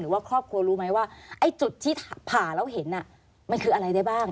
ว่าครอบครัวรู้ไหมว่าไอ้จุดที่ผ่าแล้วเห็นมันคืออะไรได้บ้าง